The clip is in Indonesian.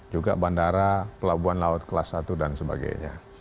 juga bandara pelabuhan laut kelas satu dan sebagainya